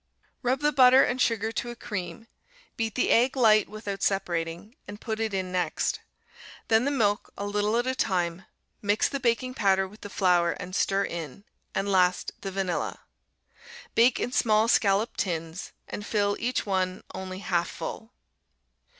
Rub the butter and sugar to a cream, beat the egg light without separating, and put it in next; then the milk, a little at a time; mix the baking powder with the flour and stir in, and last the vanilla. Bake in small scalloped tins, and fill each one only half full.